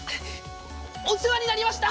お世話になりました！